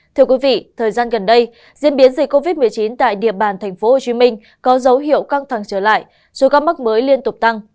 thưa quý vị thời gian gần đây diễn biến dịch covid một mươi chín tại địa bàn tp hcm có dấu hiệu căng thẳng trở lại số ca mắc mới liên tục tăng